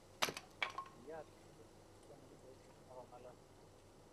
Kiyaat kityo, konemu sautit agongalal